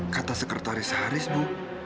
kata sekretaris haris bu